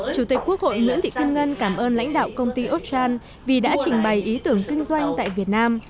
chủ tịch quốc hội nguyễn thị kim ngân cảm ơn lãnh đạo công ty okchal vì đã trình bày ý tưởng kinh doanh tại việt nam